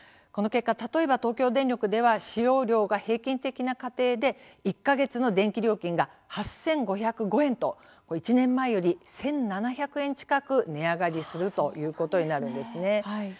この結果、例えば東京電力では使用量が平均的な家庭で１か月の電気料金が８５０５円と１年前より１７００円近く値上がりするということになるんですね。